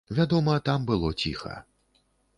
Вядома, там было ціха.